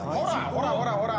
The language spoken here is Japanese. ほらほらほら。